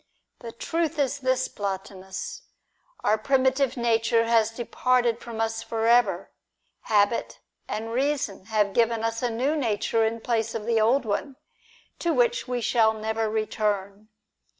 The truth is this, Plotinus. Our primitive nature has departed from us for ever. Habit and reason have given PLOTINUS AND PORPHYRIUS. 191 us a new nature in place of the old one, to which we shall never return.